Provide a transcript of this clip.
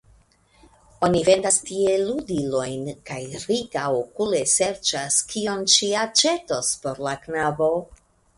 Oni vendas tie ludilojn, kaj Rika okule serĉas, kion ŝi aĉetos por la knabo.